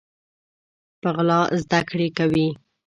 په غلا زده کړي کوو